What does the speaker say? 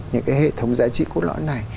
những cái hệ thống giá trị cốt lõi này